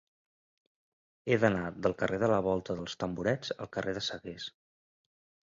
He d'anar del carrer de la Volta dels Tamborets al carrer de Sagués.